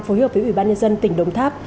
phối hợp với ủy ban nhân dân tỉnh đồng tháp